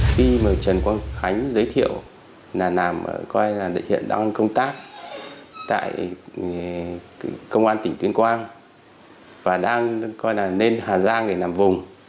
khi mà trần quang khánh giới thiệu là nam coi là hiện đang công tác tại công an tỉnh tuyên quang và đang coi là nên hà giang để làm vùng